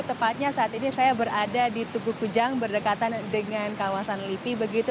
tepatnya saat ini saya berada di tugu kujang berdekatan dengan kawasan lipi